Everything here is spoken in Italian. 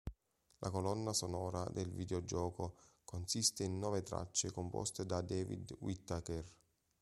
La colonna sonora del videogioco consiste in nove tracce composte da David Whittaker.